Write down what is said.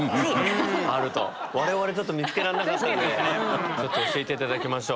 我々ちょっと見つけられなかったんでちょっと教えて頂きましょう。